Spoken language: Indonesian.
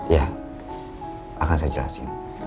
ya akan saya jelasin